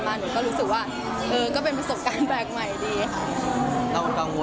ไม่เลยค่ะไม่ไม่แต่คนเดียวเลยจริง